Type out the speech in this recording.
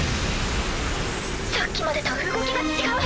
さっきまでと動きが違う。